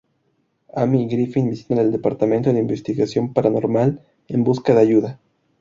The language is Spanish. Amy y Griffin visitan el departamento de Investigación Paranormal en busca de ayuda.